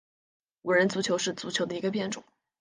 五人足球是足球的一个变种。